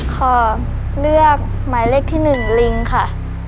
ขอเลือกหมายเลขที่๑ลิงค่ะ